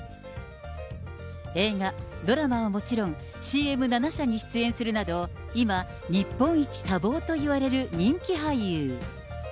映画、ドラマはもちろん、ＣＭ７社に出演するなど、今、日本一多忙といわれる人気俳優。